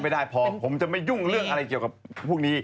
ไม่ได้พอผมจะไม่ยุ่งเรื่องอะไรเกี่ยวกับพวกนี้